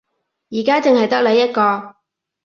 而家淨係得你一個